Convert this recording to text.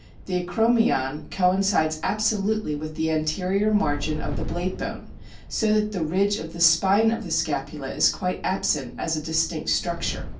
The acromion co incides absolutely with the anterior margin of the blade bone, so that the ridge of the "spine" of the scapula is quite absent as a distinct structure.